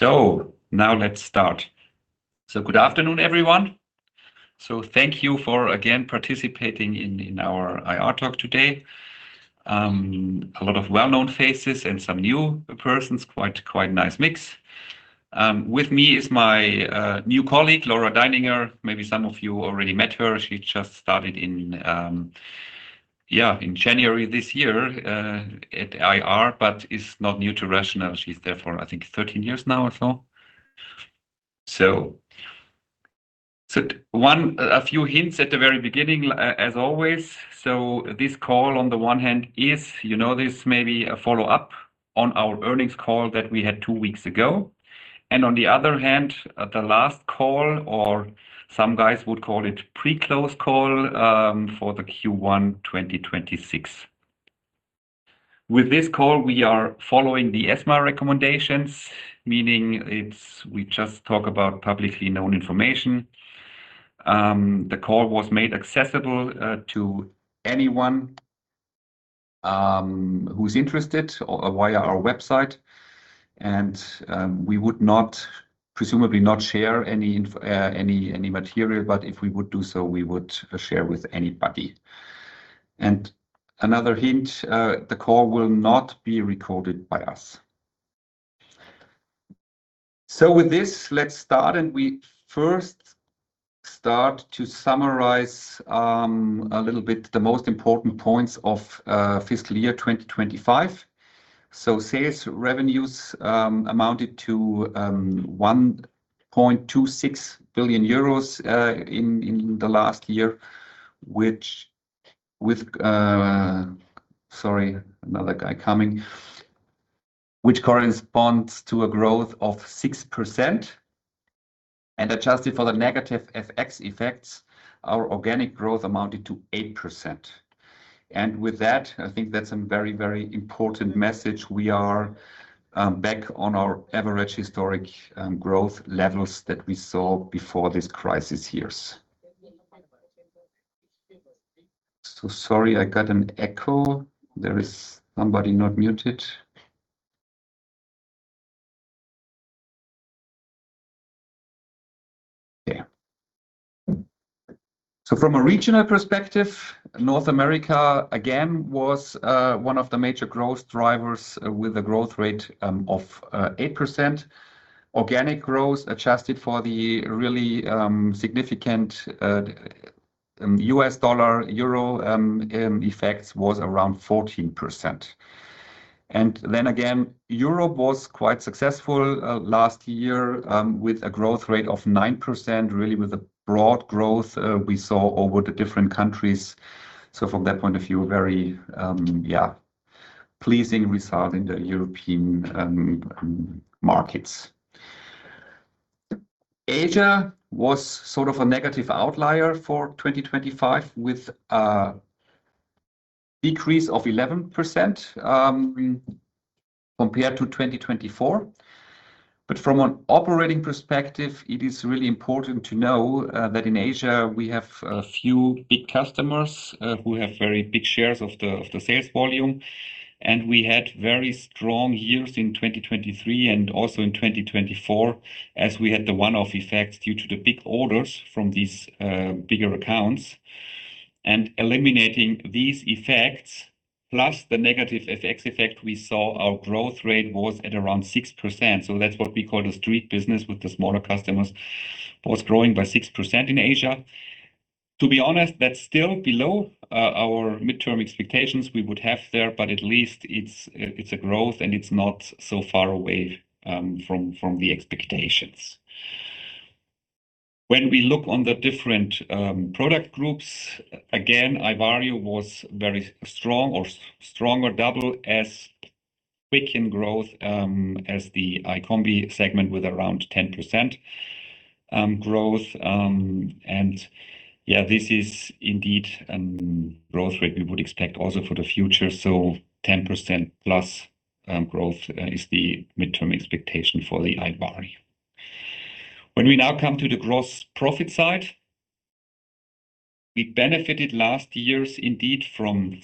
Now let's start. Good afternoon, everyone. Thank you for again participating in our IR talk today. A lot of well-known faces and some new persons, quite nice mix. With me is my new colleague, Laura Deininger. Maybe some of you already met her. She just started in January this year at IR, but is not new to RATIONAL. She's there for, I think 13 years now or so. A few hints at the very beginning, as always. This call on the one hand is, you know this maybe, a follow-up on our earnings call that we had two weeks ago. On the other hand, the last call, or some guys would call it pre-close Call for the Q1 2026. With this call, we are following the ESMA recommendations, meaning we just talk about publicly known information. The call was made accessible to anyone who's interested or via our website and we would not, presumably not share any material, but if we would do so, we would share with anybody. Another hint, the call will not be recorded by us. With this, let's start. We first start to summarize a little bit the most important points of fiscal year 2025. Sales revenues amounted to 1.26 billion euros in the last year, which corresponds to a growth of 6% and adjusted for the negative FX effects, our organic growth amounted to 8%. With that, I think that's a very, very important message. We are back on our average historic growth levels that we saw before this crisis years. Sorry, I got an echo. There is somebody not muted. Yeah. From a regional perspective, North America again was one of the major growth drivers with a growth rate of 8%. Organic growth adjusted for the really significant U.S. dollar/euro effects was around 14%. Then again, Europe was quite successful last year with a growth rate of 9%, really with a broad growth we saw over the different countries. From that point of view, very pleasing result in the European markets. Asia was sort of a negative outlier for 2025 with a decrease of 11%, compared to 2024. From an operating perspective, it is really important to know that in Asia we have a few big customers who have very big shares of the sales volume, and we had very strong years in 2023 and also in 2024 as we had the one-off effects due to the big orders from these bigger accounts. Eliminating these effects plus the negative FX effect, we saw our growth rate was at around 6%. That's what we call the street business with the smaller customers was growing by 6% in Asia. To be honest, that's still below our midterm expectations we would have there, but at least it's a growth and it's not so far away from the expectations. When we look on the different product groups, again, iVario was very strong or stronger, double as quick in growth as the iCombi segment with around 10% growth. Yeah, this is indeed growth rate we would expect also for the future. 10%+ growth is the midterm expectation for the iVario. When we now come to the gross profit side, we benefited last years indeed from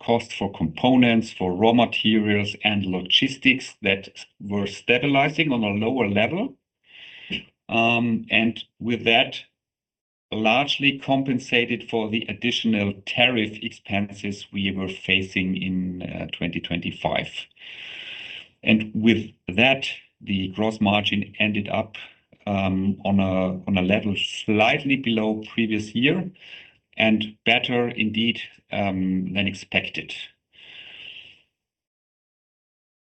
cost for components, for raw materials and logistics that were stabilizing on a lower level. With that, largely compensated for the additional tariff expenses we were facing in 2025. With that, the gross margin ended up on a level slightly below previous year and better indeed than expected.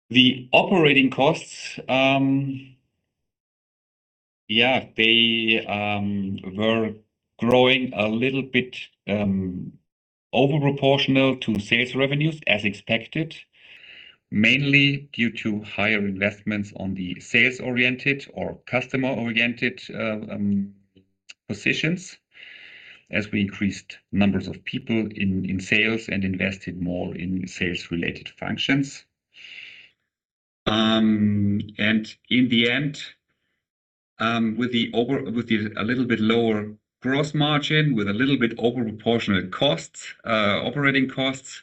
The operating costs they were growing a little bit over proportional to sales revenues as expected, mainly due to higher investments on the sales-oriented or customer-oriented positions, as we increased numbers of people in sales and invested more in sales-related functions. In the end, with a little bit lower gross margin, with a little bit over proportional costs, operating costs,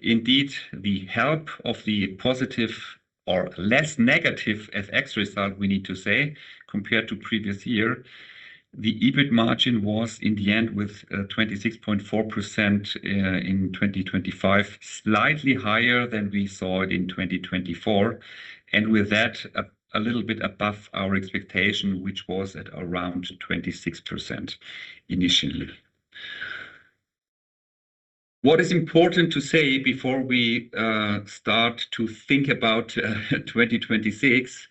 indeed the help of the positive or less negative FX result we need to say compared to previous year, the EBIT margin was in the end with 26.4% in 2025, slightly higher than we saw it in 2024. With that a little bit above our expectation, which was at around 26% initially. What is important to say before we start to think about 2026,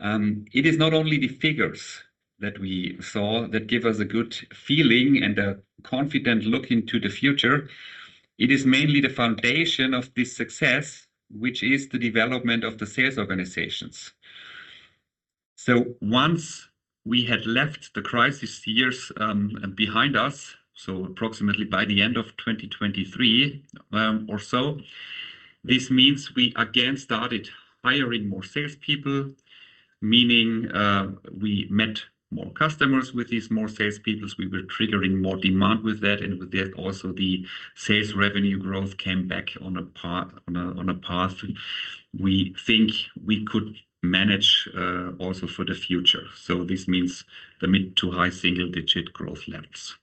it is not only the figures that we saw that give us a good feeling and a confident look into the future. It is mainly the foundation of this success, which is the development of the sales organizations. Once we had left the crisis years behind us, approximately by the end of 2023 or so, this means we again started hiring more salespeople. Meaning, we met more customers with these more salespeople. We were triggering more demand with that, and with that also the sales revenue growth came back on a path we think we could manage also for the future. This means the mid- to high-single-digit growth levels.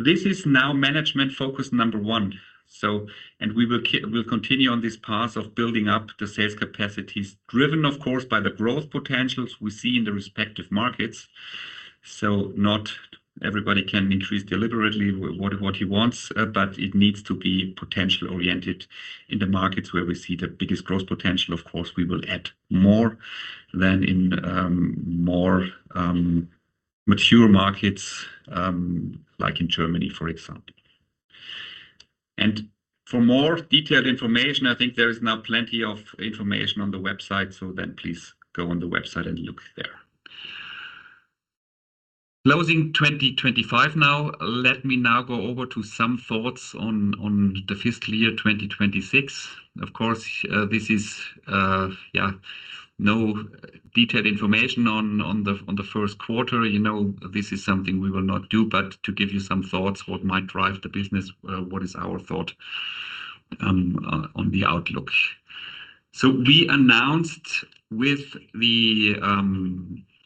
This is now management focus number one. We will continue on this path of building up the sales capacities, driven of course by the growth potentials we see in the respective markets. Not everybody can increase deliberately what he wants, but it needs to be potential oriented in the markets where we see the biggest growth potential. Of course, we will add more than in more mature markets, like in Germany, for example. For more detailed information, I think there is now plenty of information on the website. Then please go on the website and look there. Closing 2025 now, let me now go over to some thoughts on the fiscal year 2026. Of course, this is yeah no detailed information on the first quarter. You know, this is something we will not do. To give you some thoughts what might drive the business, what is our thought on the outlook. We announced with the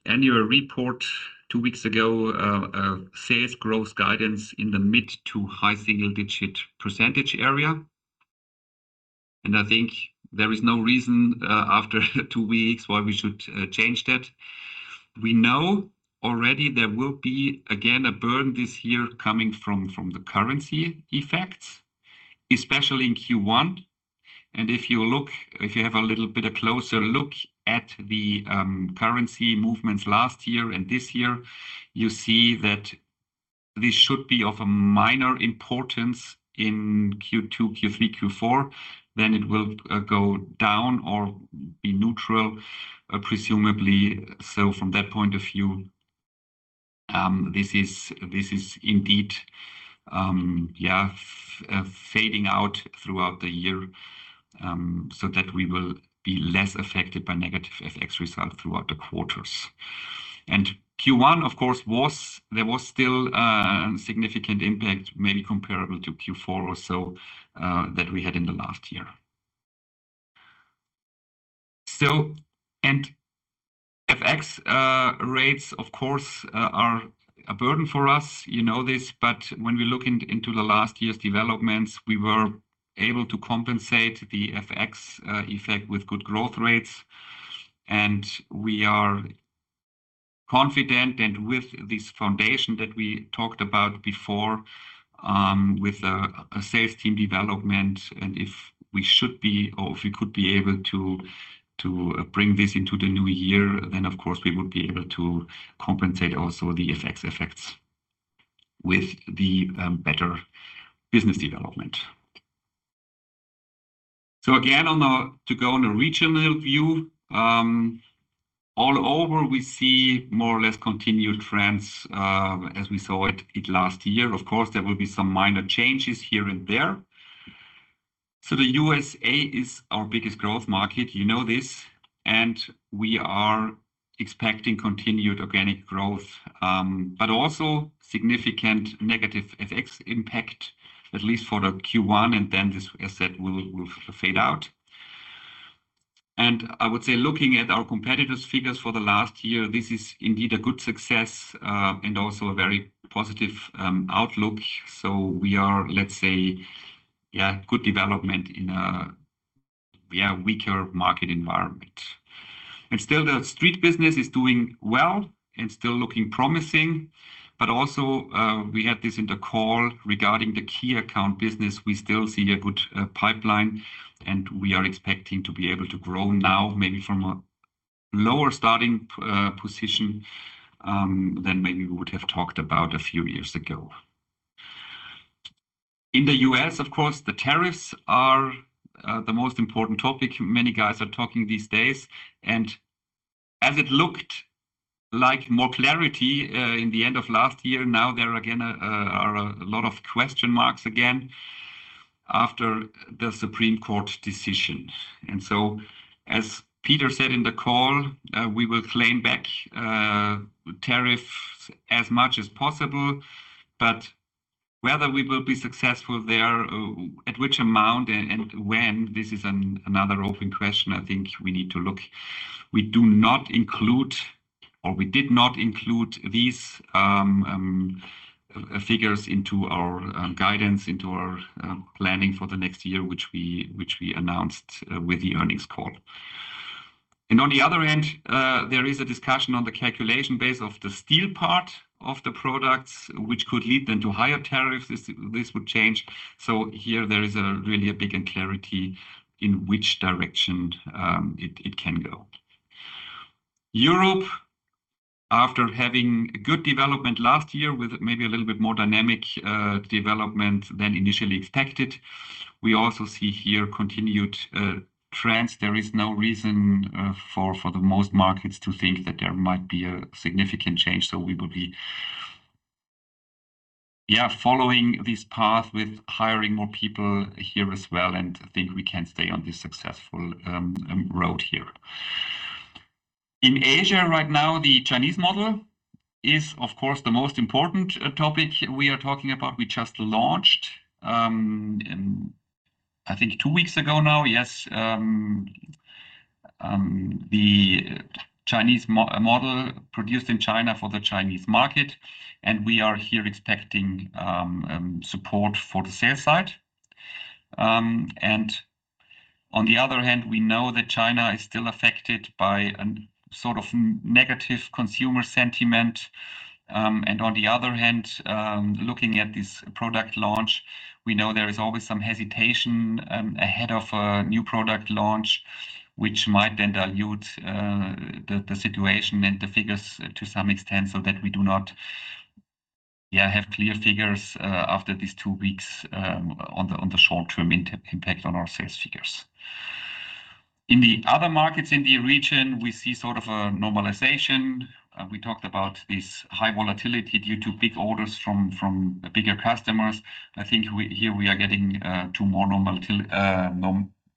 annual report two weeks ago, sales growth guidance in the mid- to high-single-digit percentage area. I think there is no reason after two weeks why we should change that. We know already there will be again a burn this year coming from the currency effects, especially in Q1. If you have a little bit of closer look at the currency movements last year and this year, you see that this should be of a minor importance in Q2, Q3, Q4. It will go down or be neutral, presumably. From that point of view, this is indeed fading out throughout the year, so that we will be less affected by negative FX result throughout the quarters. There was still a significant impact in Q1, of course, maybe comparable to Q4 or so that we had in the last year. FX rates of course are a burden for us, you know this. But when we look into the last year's developments, we were able to compensate the FX effect with good growth rates. We are confident and with this foundation that we talked about before, with a sales team development. If we should be or if we could be able to bring this into the new year, then of course we would be able to compensate also the FX effects with the better business development. Again, to go on a regional view, all over we see more or less continued trends as we saw it last year. Of course, there will be some minor changes here and there. The U.S. is our biggest growth market, you know this, and we are expecting continued organic growth, but also significant negative FX impact, at least for the Q1 and then this asset will fade out. I would say looking at our competitors' figures for the last year, this is indeed a good success and also a very positive outlook. We are, let's say, yeah, good development in a, yeah, weaker market environment. Still the street business is doing well and still looking promising. Also, we had this in the call regarding the key account business. We still see a good pipeline, and we are expecting to be able to grow now maybe from a lower starting position than maybe we would have talked about a few years ago. In the U.S., of course, the tariffs are the most important topic many guys are talking these days. As it looked like more clarity in the end of last year, now there again are a lot of question marks again. After the Supreme Court decision. As Peter said in the call, we will claim back tariffs as much as possible, but whether we will be successful there, at which amount and when, this is another open question I think we need to look. We do not include, or we did not include these figures into our guidance, into our planning for the next year, which we announced with the earnings call. On the other end, there is a discussion on the calculation base of the steel part of the products, which could lead then to higher tariffs. This would change. Here there is really a big unclarity in which direction it can go. Europe, after having good development last year with maybe a little bit more dynamic development than initially expected, we also see here continued trends. There is no reason for most markets to think that there might be a significant change, so we will be following this path with hiring more people here as well, and I think we can stay on this successful road here. In Asia right now, the Chinese model is, of course, the most important topic we are talking about. We just launched in I think two weeks ago now. The Chinese model produced in China for the Chinese market, and we are here expecting support for the sales side. On the other hand, we know that China is still affected by a sort of negative consumer sentiment. On the other hand, looking at this product launch, we know there is always some hesitation ahead of a new product launch, which might then dilute the situation and the figures to some extent, so that we do not have clear figures after these two weeks on the short-term impact on our sales figures. In the other markets in the region, we see sort of a normalization. We talked about this high volatility due to big orders from bigger customers. I think here we are getting to more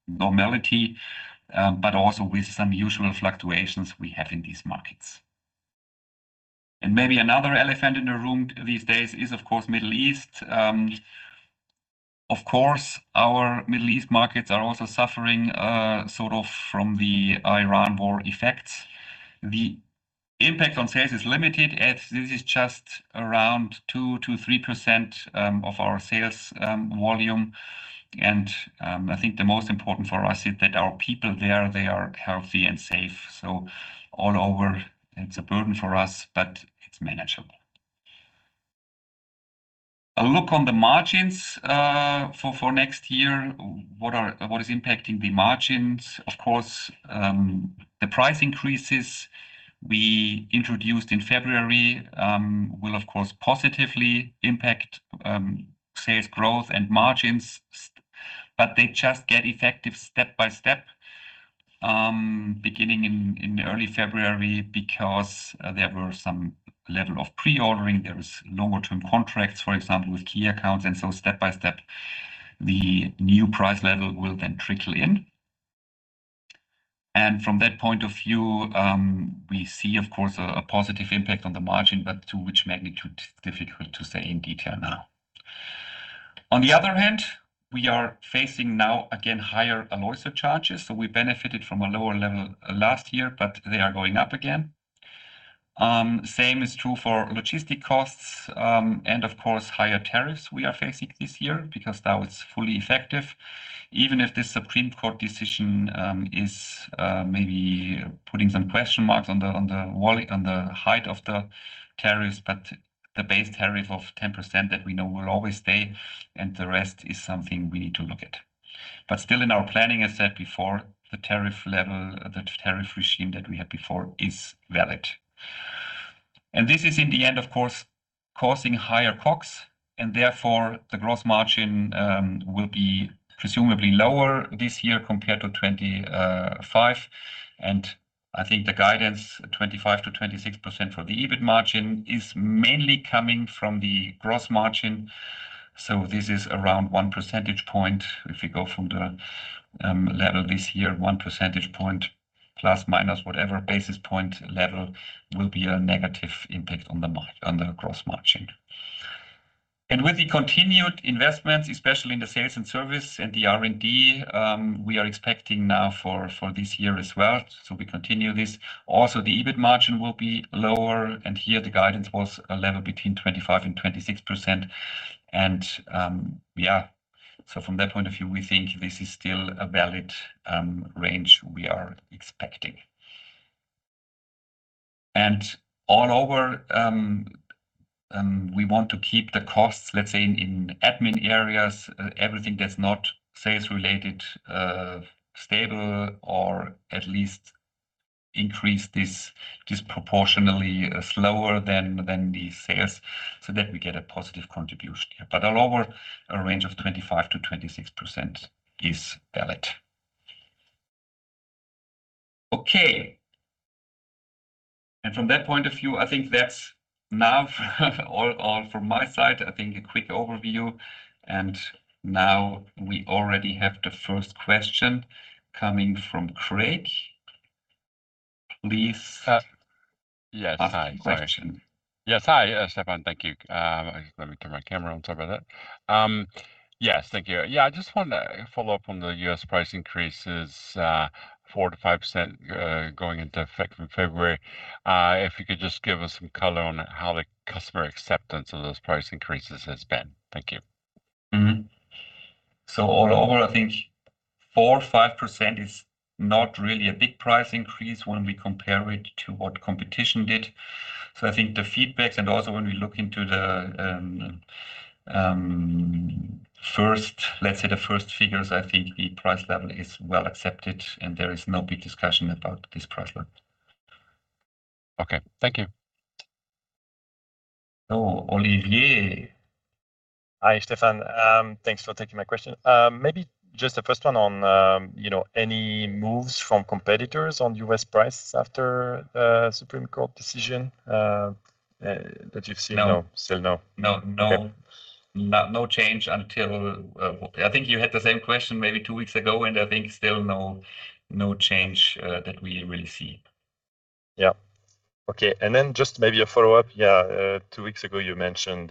normality, but also with some usual fluctuations we have in these markets. Maybe another elephant in the room these days is, of course, Middle East. Of course, our Middle East markets are also suffering sort of from the Iran war effects. The impact on sales is limited as this is just around 2%-3% of our sales volume. I think the most important for us is that our people there, they are healthy and safe. All over, it's a burden for us, but it's manageable. A look on the margins for next year. What is impacting the margins? Of course, the price increases we introduced in February will of course positively impact sales growth and margins, but they just get effective step by step, beginning in early February because there were some level of pre-ordering. There is longer term contracts, for example, with key accounts, and so step by step the new price level will then trickle in. From that point of view, we see of course a positive impact on the margin, but to which magnitude, difficult to say in detail now. On the other hand, we are facing now again higher alloy surcharges. We benefited from a lower level last year, but they are going up again. Same is true for logistic costs, and of course, higher tariffs we are facing this year because now it's fully effective. Even if the Supreme Court decision is maybe putting some question marks on the height of the tariffs, but the base tariff of 10% that we know will always stay and the rest is something we need to look at. Still in our planning, as said before, the tariff level, the tariff regime that we had before is valid. This is in the end, of course, causing higher COGS, and therefore the gross margin will be presumably lower this year compared to 2025. I think the guidance, 25%-26% for the EBIT margin, is mainly coming from the gross margin. This is around 1 percentage point. If we go from the level this year, 1 percentage point plus, minus whatever basis point level will be a negative impact on the gross margin. With the continued investments, especially in the sales and service and the R&D, we are expecting now for this year as well. We continue this. Also the EBIT margin will be lower, and here the guidance was a level between 25%-26%. Yeah. From that point of view, we think this is still a valid range we are expecting. Overall, we want to keep the costs, let's say in admin areas, everything that's not sales related, stable or at least increase this disproportionately slower than the sales so that we get a positive contribution. Overall, a range of 25%-26% is valid. From that point of view, I think that's now all from my side. I think a quick overview, and now we already have the first question coming from Craig. Please ask the question. Yes. Hi, Stefan. Thank you. Let me turn my camera on, sorry about that. Yes. Thank you. Yeah, I just wanna follow up on the U.S. price increases, 4%-5%, going into effect from February. If you could just give us some color on how the customer acceptance of those price increases has been? Thank you. Overall, I think 4% or 5% is not really a big price increase when we compare it to what competition did. I think the feedbacks, and also when we look into the first figures, I think the price level is well accepted, and there is no big discussion about this price level. Okay. Thank you. Olivier. Hi, Stefan. Thanks for taking my question. Maybe just the first one on, you know, any moves from competitors on U.S. prices after, Supreme Court decision, that you've seen? No. Still no? No, no. Okay. No change until I think you had the same question maybe two weeks ago, and I think still no change that we really see. Yeah. Okay. Then just maybe a follow-up. Yeah. Two weeks ago you mentioned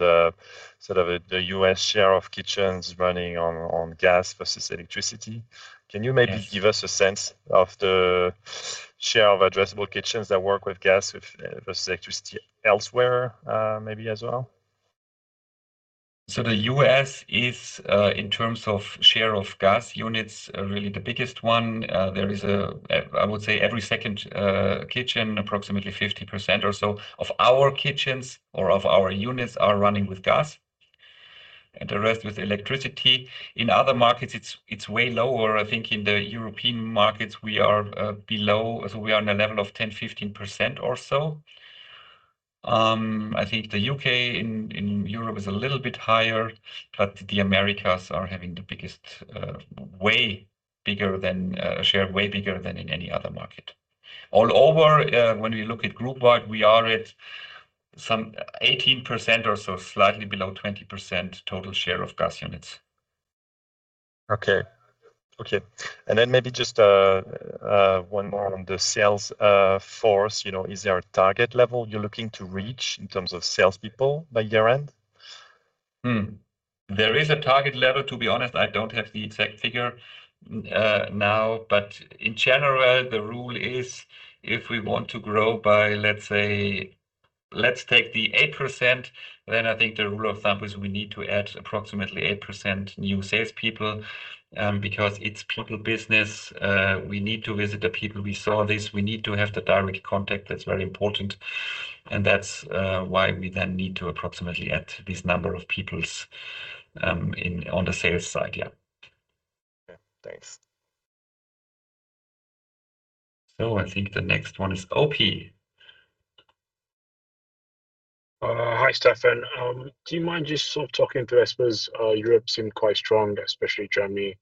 sort of the U.S. share of kitchens running on gas versus electricity. Can you maybe give us a sense of the share of addressable kitchens that work with gas, versus electricity elsewhere, maybe as well? The U.S. is in terms of share of gas units really the biggest one. There is a, I would say, every second kitchen, approximately 50% or so of our kitchens or of our units are running with gas and the rest with electricity. In other markets, it's way lower. I think in the European markets we are below, so we are on a level of 10%-15% or so. I think the U.K. in Europe is a little bit higher, but the Americas are having the biggest, way bigger than in any other market. All over, when we look at group-wide, we are at some 18% or so, slightly below 20% total share of gas units. Okay. Maybe just one more on the sales force. You know, is there a target level you're looking to reach in terms of sales people by year-end? There is a target level. To be honest, I don't have the exact figure now. In general, the rule is if we want to grow by, let's say, let's take the 8%, then I think the rule of thumb is we need to add approximately 8% new sales people, because it's people business. We need to visit the people. We saw this. We need to have the direct contact. That's very important. That's why we then need to approximately add this number of people on the sales side. Yeah. Yeah. Thanks. I think the next one is Ope. Hi, Stefan. Do you mind just sort of talking to investors? Europe seemed quite strong, especially Germany.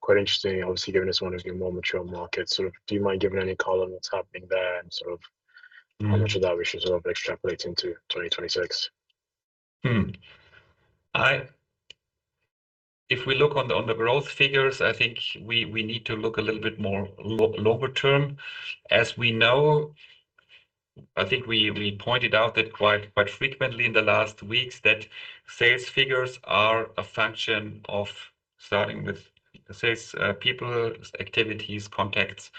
Quite interesting, obviously, given it's one of your more mature markets. Do you mind giving any color on what's happening there? How much of that we should sort of extrapolate into 2026? If we look on the growth figures, I think we need to look a little bit more longer term. As we know, I think we pointed out that quite frequently in the last weeks, that sales figures are a function of starting with sales people, activities, contacts,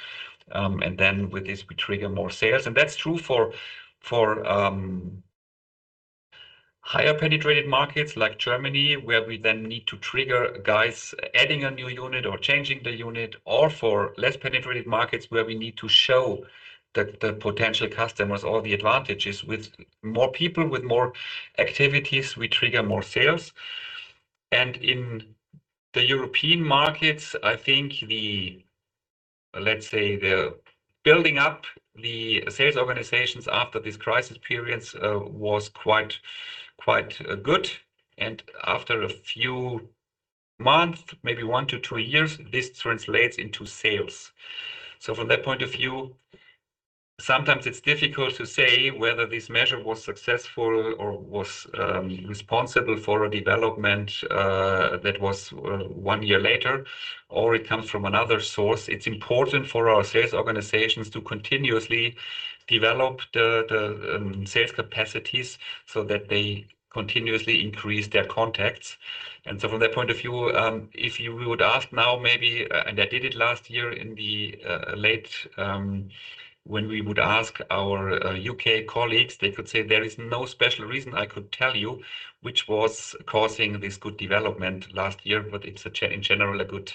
and then with this we trigger more sales. That's true for higher penetrated markets like Germany, where we then need to trigger guys adding a new unit or changing the unit, or for less penetrated markets, where we need to show the potential customers all the advantages. With more people, with more activities, we trigger more sales. In the European markets, I think the building up the sales organizations after this crisis period was quite good. After a few months, maybe one to two years, this translates into sales. From that point of view, sometimes it's difficult to say whether this measure was successful or was responsible for a development that was one year later, or it comes from another source. It's important for our sales organizations to continuously develop the sales capacities so that they continuously increase their contacts. From that point of view, if you would ask now maybe, and I did it last year in the late when we would ask our U.K. colleagues, they could say, "There is no special reason I could tell you which was causing this good development last year," but it's in general a good,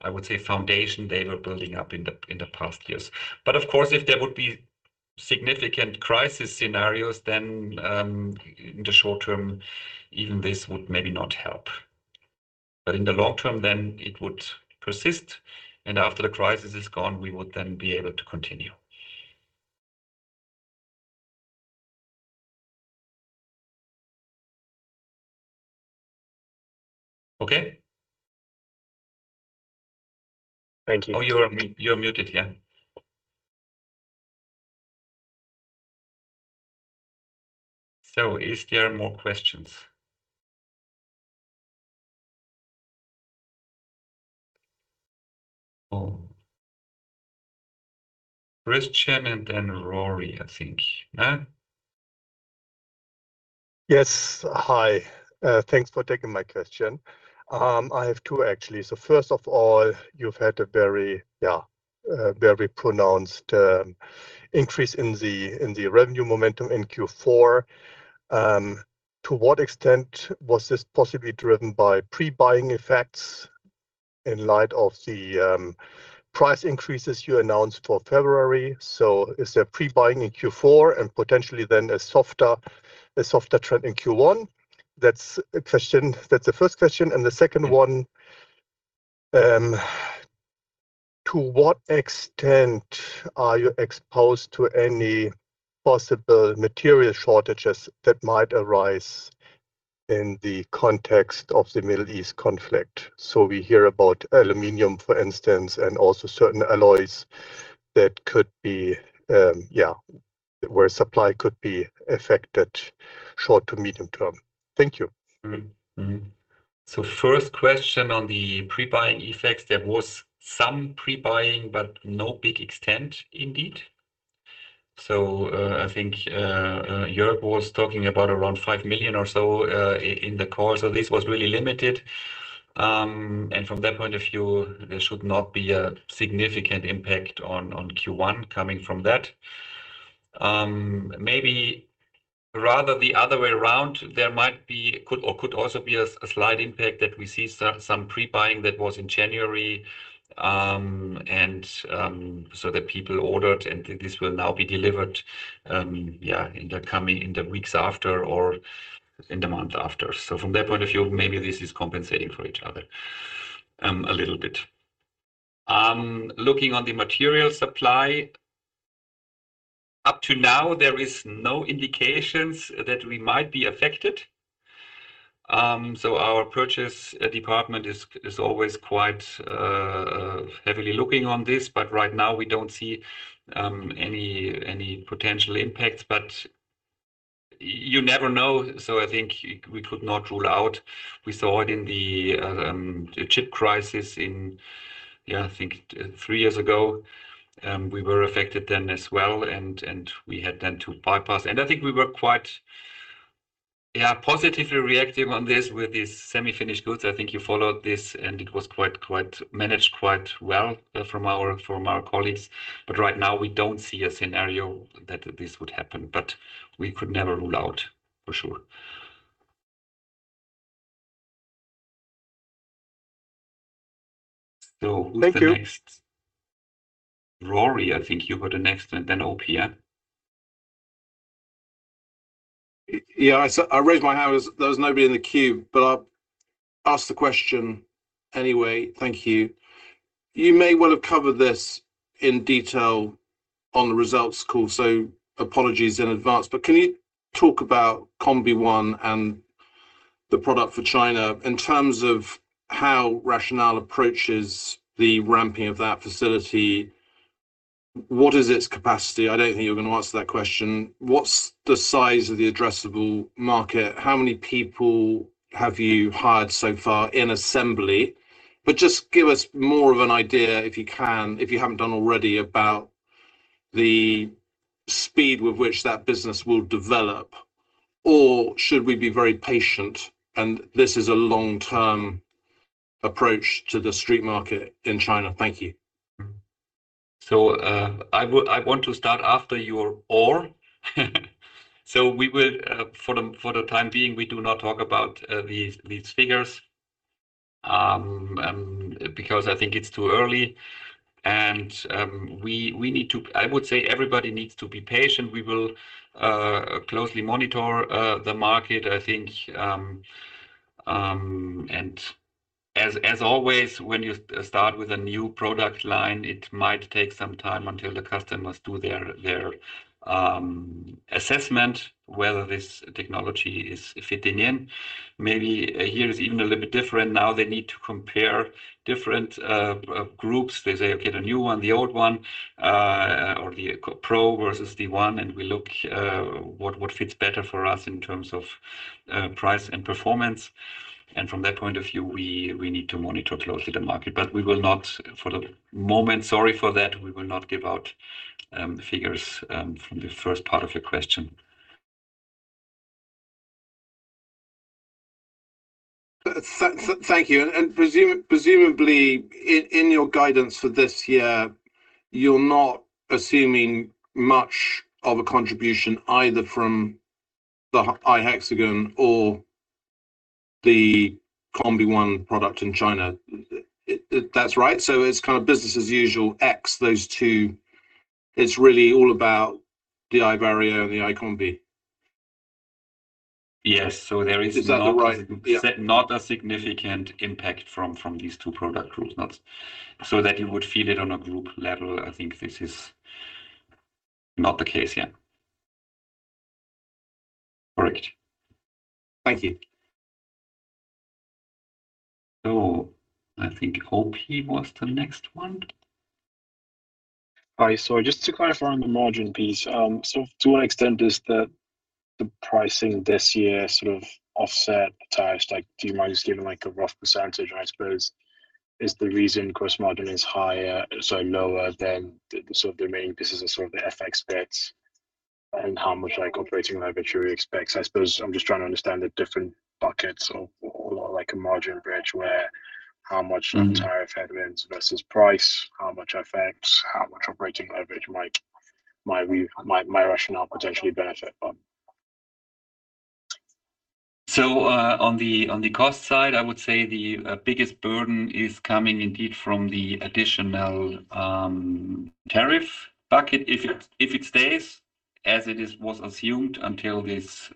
I would say, foundation they were building up in the past years. Of course, if there would be significant crisis scenarios, then, in the short term, even this would maybe not help. In the long term then it would persist, and after the crisis is gone, we would then be able to continue. Thank you. You're muted, yeah. Is there more questions? Christian and then Rory, I think. Huh? Yes. Hi. Thanks for taking my question. I have two, actually. First of all, you've had a very pronounced increase in the revenue momentum in Q4. To what extent was this possibly driven by pre-buying effects in light of the price increases you announced for February? Is there pre-buying in Q4 and potentially then a softer trend in Q1? That's a question. That's the first question, and the second one, to what extent are you exposed to any possible material shortages that might arise in the context of the Middle East conflict? We hear about aluminum, for instance, and also certain alloys that could be, where supply could be affected short to medium term. Thank you. First question on the pre-buying effects, there was some pre-buying, but not to a big extent indeed. I think Jörg was talking about around 5 million or so in the course of this, which was really limited. From that point of view, there should not be a significant impact on Q1 coming from that. Maybe rather the other way around, there might be could also be a slight impact that we see some pre-buying that was in January, and so that people ordered, and this will now be delivered, yeah, in the coming weeks after or in the month after. From that point of view, maybe this is compensating for each other a little bit. Looking on the material supply, up to now, there is no indications that we might be affected. Our purchase department is always quite heavily looking on this, but right now we don't see any potential impacts. You never know, so I think we could not rule out. We saw it in the chip crisis in, yeah, I think two to three years ago. We were affected then as well, and we had then to bypass. I think we were quite yeah, positively reactive on this with these semi-finished goods. I think you followed this, and it was quite managed quite well from our colleagues. Right now we don't see a scenario that this would happen, but we could never rule out, for sure. Who's the next? Thank you. Rory, I think you were the next, and then Ope. Yeah, I raised my hand. There was nobody in the queue, but I'll ask the question anyway. Thank you. You may well have covered this in detail on the results call, so apologies in advance. Can you talk about iCombi One and the product for China in terms of how RATIONAL approaches the ramping of that facility? What is its capacity? I don't think you're gonna answer that question. What's the size of the addressable market? How many people have you hired so far in assembly? Just give us more of an idea, if you can, if you haven't done already, about the speed with which that business will develop, or should we be very patient and this is a long-term approach to the street business in China? Thank you. I want to start after your "or". For the time being, we do not talk about these figures because I think it's too early. I would say, everybody needs to be patient. We will closely monitor the market. I think, as always, when you start with a new product line, it might take some time until the customers do their assessment whether this technology is fitting in. Maybe here is even a little bit different. Now they need to compare different groups. They say, okay, the new one, the old one, or the Pro versus the One, and we look what fits better for us in terms of price and performance. From that point of view, we need to monitor closely the market. We will not, for the moment, sorry for that, give out the figures from the first part of your question. Thank you. Presumably in your guidance for this year, you're not assuming much of a contribution either from the iHexagon or the iCombi One product in China. That's right? It's kind of business as usual, except those two. It's really all about the iVario and the iCombi. Yes. Not a significant impact from these two product groups. Not so that you would feel it on a group level. I think this is not the case. Yeah. Correct. Thank you. I think Ope was the next one. All right. Just to clarify on the margin piece, to what extent is the pricing this year sort of offset tariffs? Like, do you mind just giving like a rough percentage? I suppose is the reason gross margin is higher, sorry, lower than the sort of main pieces of sort of the FX bets and how much like operating leverage you expect? I'm just trying to understand the different buckets of or like a margin bridge where, how much tariff headwinds versus pricing, how much FX, how much operating leverage might RATIONAL potentially benefit from? On the cost side, I would say the biggest burden is coming indeed from the additional tariff bucket. If it stays as it is, as was assumed until these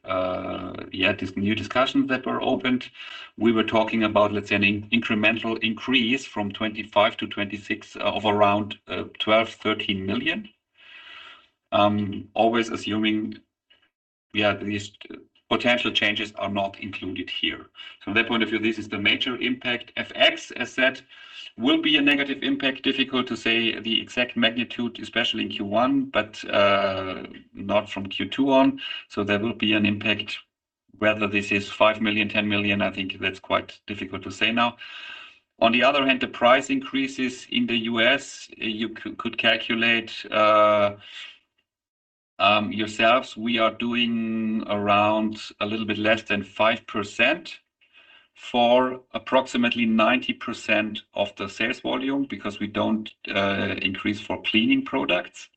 new discussions that were opened. We were talking about, let's say, an incremental increase from 2025 to 2026 of around 12 million-13 million. Always assuming these potential changes are not included here. From that point of view, this is the major impact. FX, as said, will be a negative impact. Difficult to say the exact magnitude, especially in Q1, but not from Q2 on. There will be an impact. Whether this is 5 million-10 million, I think that's quite difficult to say now. On the other hand, the price increases in the U.S., you could calculate yourselves. We are doing around a little bit less than 5% for approximately 90% of the sales volume because we don't increase for cleaning products.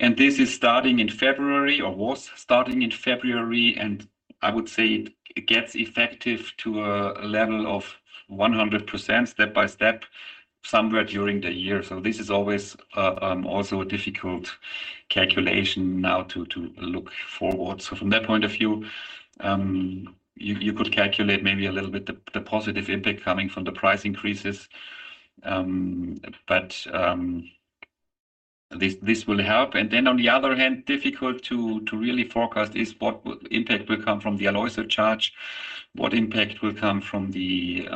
This is starting in February or was starting in February, and I would say it gets effective to a level of 100% step by step somewhere during the year. This is always also a difficult calculation now to look forward. From that point of view, you could calculate maybe a little bit the positive impact coming from the price increases. This will help. Then on the other hand, difficult to really forecast is what impact will come from the alloy surcharge, what impact will come from the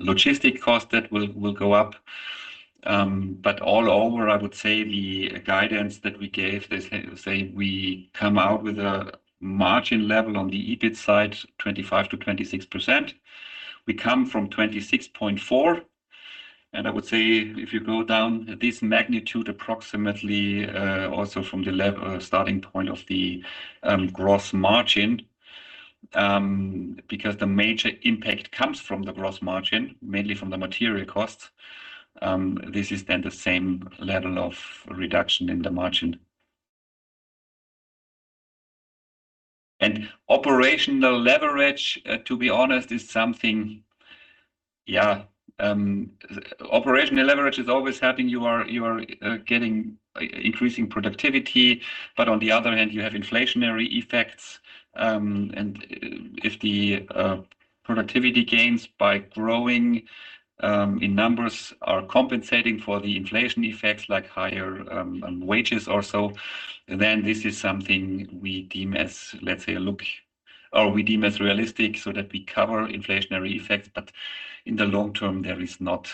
logistics costs that will go up. Overall, I would say the guidance that we gave. Let's say we come out with a margin level on the EBIT side, 25%-26%. We come from 26.4%, and I would say if you go down this magnitude approximately, also from the starting point of the gross margin, because the major impact comes from the gross margin, mainly from the material costs. This is then the same level of reduction in the margin. Operational leverage, to be honest, is something. Operational leverage is always helping. You are increasing productivity. On the other hand, you have inflationary effects. If the productivity gains by growing in numbers are compensating for the inflation effects like higher wages or so, then this is something we deem as realistic so that we cover inflationary effects. In the long term, there is not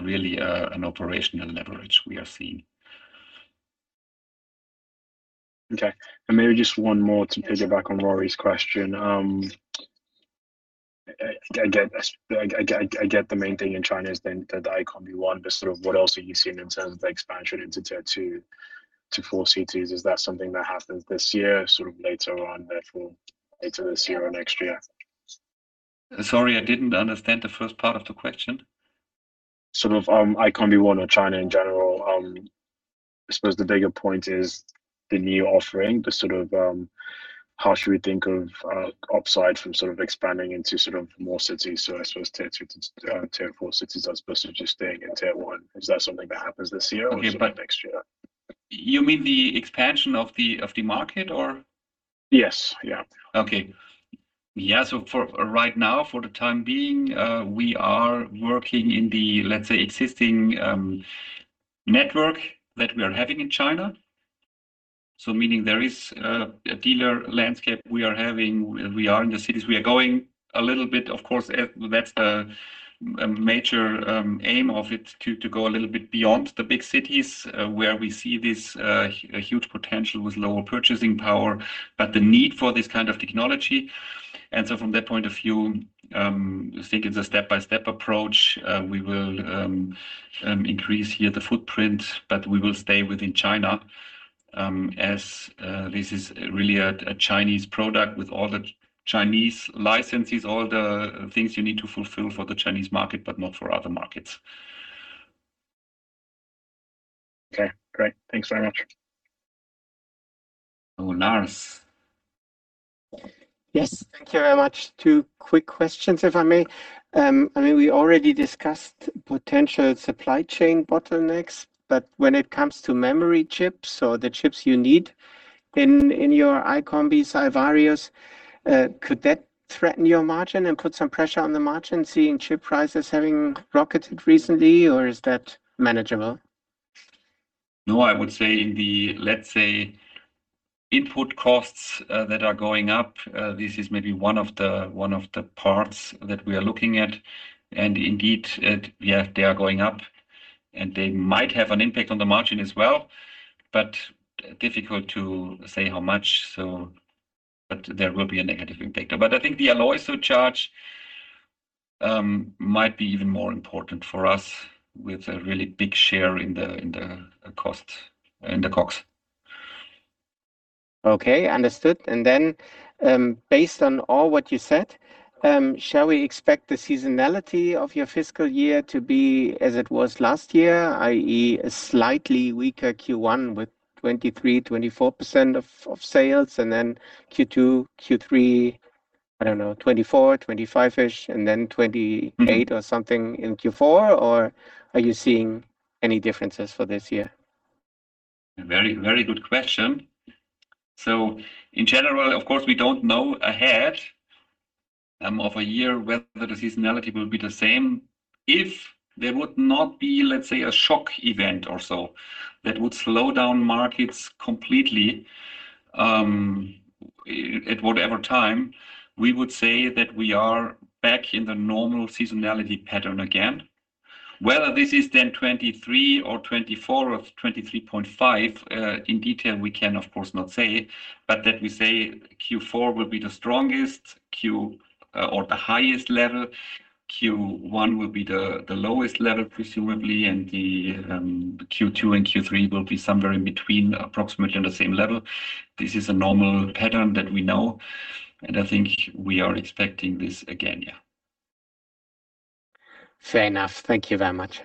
really an operational leverage we are seeing. Okay. Maybe just one more to piggyback on Rory's question. I get the main thing in China is then the iCombi One, but sort of what else are you seeing in terms of the expansion into tier two to four cities? Is that something that happens this year, sort of later on therefore into this year or next year? Sorry, I didn't understand the first part of the question. Sort of, iCombi One of China in general. I suppose the bigger point is the new offering. The sort of, how should we think of upside from sort of expanding into sort of more cities. I suppose tier two to tier four cities as opposed to just staying in tier one. Is that something that happens this year or next year? You mean the expansion of the market or? Yes. Yeah. Okay. Yeah. For right now, for the time being, we are working in the, let's say, existing network that we are having in China. Meaning there is a dealer landscape we are having. We are in the cities. We are going a little bit, of course, that's the major aim of it to go a little bit beyond the big cities, where we see this huge potential with lower purchasing power, but the need for this kind of technology. From that point of view, I think it's a step-by-step approach. We will increase here the footprint, but we will stay within China, as this is really a Chinese product with all the Chinese licenses, all the things you need to fulfill for the Chinese market, but not for other markets. Okay. Great. Thanks very much. Lars. Yes. Thank you very much. Two quick questions, if I may. I mean, we already discussed potential supply chain bottlenecks, but when it comes to memory chips or the chips you need in your iCombis, iVarios, could that threaten your margin and put some pressure on the margin, seeing chip prices having rocketed recently, or is that manageable? No, I would say in the, let's say, input costs that are going up. This is maybe one of the parts that we are looking at. Indeed, they are going up, and they might have an impact on the margin as well, but difficult to say how much. There will be a negative impact. I think the alloy surcharge might be even more important for us with a really big share in the costs in the COGS. Okay, understood. Based on all what you said, shall we expect the seasonality of your fiscal year to be as it was last year, i.e., a slightly weaker Q1 with 23%-24% of sales, and then Q2, Q3, I don't know, 24%, 25%-ish, and then 28%-something in Q4? Are you seeing any differences for this year? Very, very good question. In general, of course, we don't know ahead of a year whether the seasonality will be the same. If there would not be, let's say, a shock event or so that would slow down markets completely, at whatever time, we would say that we are back in the normal seasonality pattern again. Whether this is then 23% or 24% or 23.5%, in detail, we can of course not say, but we say that Q4 will be the strongest Q or the highest level. Q1 will be the lowest level, presumably, and the Q2 and Q3 will be somewhere in between, approximately on the same level. This is a normal pattern that we know, and I think we are expecting this again. Yeah. Fair enough. Thank you very much.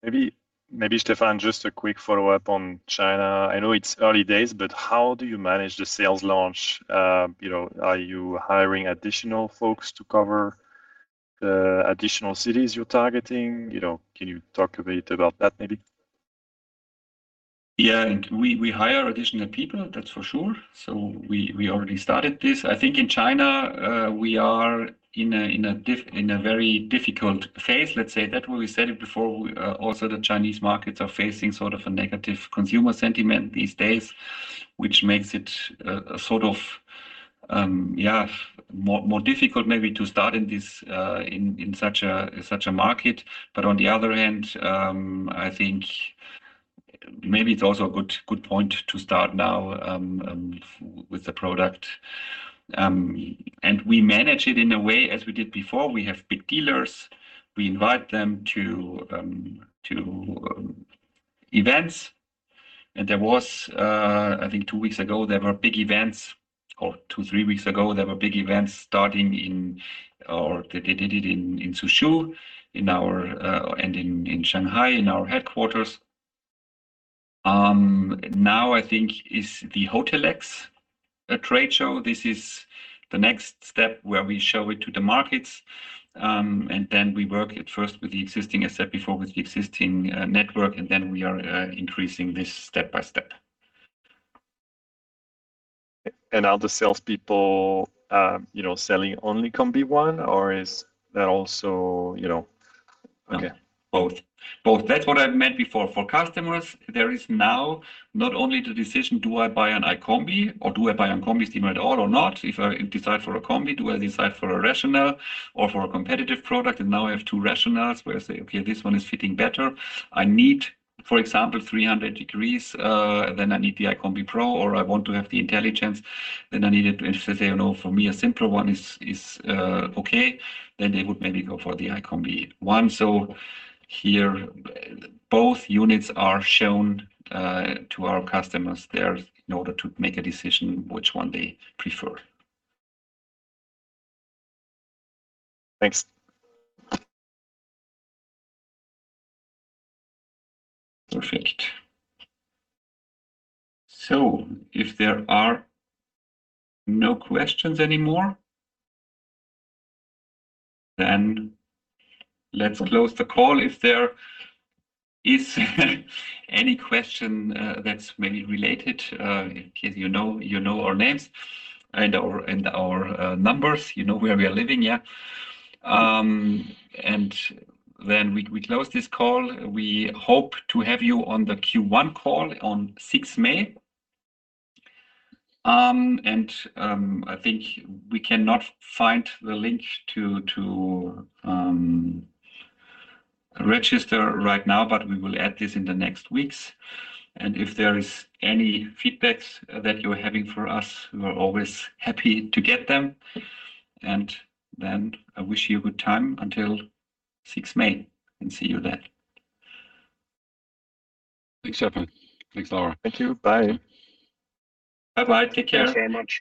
Maybe Stefan, just a quick follow-up on China. I know it's early days, but how do you manage the sales launch? You know, are you hiring additional folks to cover the additional cities you're targeting? You know, can you talk a bit about that maybe? Yeah. We hire additional people, that's for sure. We already started this. I think in China, we are in a very difficult phase, let's say that. We said it before, also the Chinese markets are facing sort of a negative consumer sentiment these days, which makes it more difficult maybe to start in such a market. On the other hand, I think maybe it's also a good point to start now with the product. We manage it in a way as we did before. We have big dealers. We invite them to events. I think two or three weeks ago, there were big events starting in Suzhou and in Shanghai, in our headquarters. Now, I think, is the Hotelex trade show. This is the next step where we show it to the markets. Then we work at first with the existing network, I said before, and then we are increasing this step by step. Are the salespeople, you know, selling only iCombi One or is that also, you know? Okay. Both. That's what I meant before. For customers, there is now not only the decision, do I buy an iCombi or do I buy a Combi steamer at all or not? If I decide for a Combi, do I decide for a RATIONAL or for a competitive product? Now I have two RATIONALS where I say, "Okay, this one is fitting better." I need, for example, 300 degrees, then I need the iCombi Pro, or I want to have the intelligence, then I need it. If they say, "You know, for me a simpler one is okay," then they would maybe go for the iCombi One. Here both units are shown to our customers in order to make a decision which one they prefer. Thanks. Perfect. If there are no questions anymore, then let's close the call. If there is any question that's maybe related, in case you know, you know our names and our numbers, you know where we are living, yeah. We close this call. We hope to have you on the Q1 call on sixth May. I think we cannot find the link to register right now, but we will add this in the next weeks. If there is any feedbacks that you're having for us, we are always happy to get them. Then I wish you a good time until 6th May, and see you then. Thanks, Stefan. Thanks, Laura. Thank you. Bye. Bye-bye. Take care. Thank you so much.